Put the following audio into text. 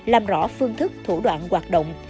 làm rõ phương thức thủ đoạn hoạt động